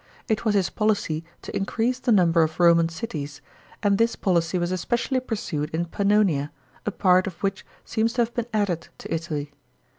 It was his policy to increase the number of Roman citit s, and this policy was especially pursued in Pannonia, a part of which seems to have been added to Italy.